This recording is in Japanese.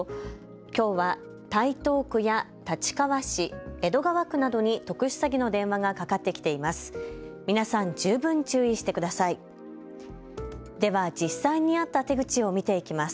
きょうは、台東区や立川市、江戸川区などに特殊詐欺の電話がかかってきています。